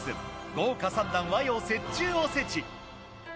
豪華三段和洋折衷おせち。